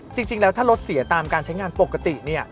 จริงแล้วถ้ารถเสียตามการใช้งานปกติ